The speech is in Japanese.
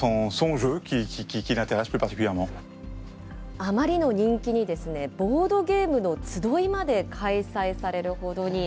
あまりの人気にですね、ボードゲームの集いまで開催されるほどに。